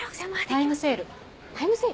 タイムセール？